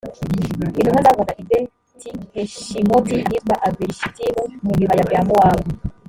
intumwa zavaga i beti-heshimoti ahitwa avelishitimu mu bibaya bya mowabu.